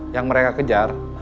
yang mereka kejar